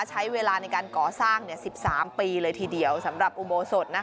ใช้เวลาในการก่อสร้างเนี้ยสิบสามปีเลยทีเดียวสำหรับอุโบสดนะคะ